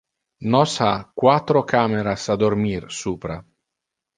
Nos ha quatro cameras a dormir supra.